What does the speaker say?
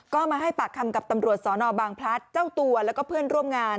ก็มาให้ปากคำกับตำรวจสนบางพลัดเจ้าตัวแล้วก็เพื่อนร่วมงาน